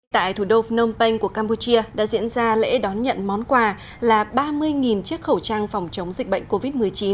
tại thủ đô phnom penh của campuchia đã diễn ra lễ đón nhận món quà là ba mươi chiếc khẩu trang phòng chống dịch bệnh covid một mươi chín